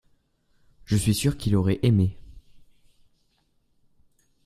je suis sûr qu'il aurait aimé.